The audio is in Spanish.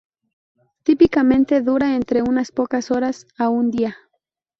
Típicamente dura entre unas pocas horas a un día.